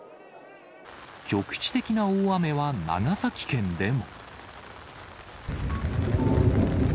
局地的な大雨は長崎県でも。